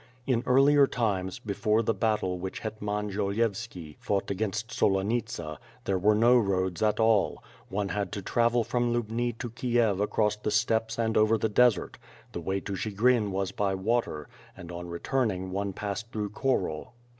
In earlier times, before the battle which Hetman Jolkyevski fought against Solonitza, there were no roads at all; one had to travel from Lubni to Kiev across the steppes and over the desert; the way to Chigrin was by water, and on returning one passed through Khorol.